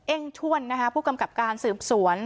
่งถ้วนนะคะผู้กำกับการสืบสวน